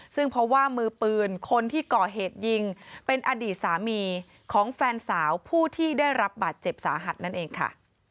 ซึ่งเพราะว่ามือปืนคนที่ก่อเหตุยิงเป็นอดีตสามีของแฟนสาวผู้ที่ได้รับบาดเจ็บสาหัสนั่นเองค่ะ